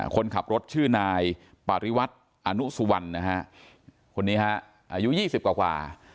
คนขับรถชื่อนายปริวัติอานุสุวรรณอายุ๒๐กว่า